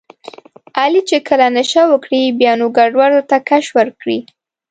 علي چې کله نشه وکړي بیا نو ګډوډو ته کش ورکړي.